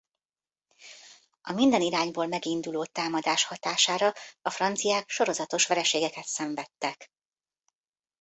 A minden irányból meginduló támadás hatására a franciák sorozatos vereségeket szenvedtek.